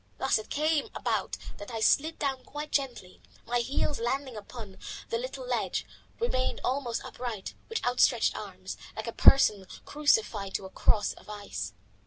Thus it came about that I slid down quite gently and, my heels landing upon the little ledge, remained almost upright, with outstretched arms like a person crucified to a cross of ice.